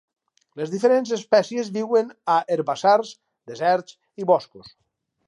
Les diferents espècies viuen a herbassars, deserts i boscos.